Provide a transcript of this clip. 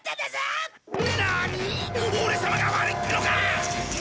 オレ様が悪いってのか！